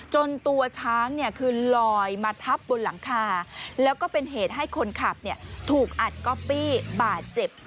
จนตัวช้างคือลอยมาทับบนหลังคาแล้วก็เป็นเหตุให้คนขับถูกอัดก๊อปปี้บาดเจ็บ